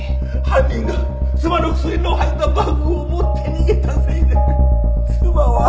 犯人が妻の薬の入ったバッグを持って逃げたせいで妻は！